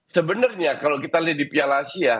sebenarnya kalau kita lihat di piala asia